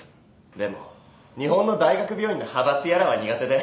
でも日本の大学病院の派閥やらは苦手で。